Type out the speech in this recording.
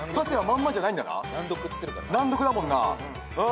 難読だもんな。